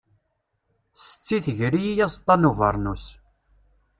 Setti tger-iyi aẓeṭṭa n ubernus.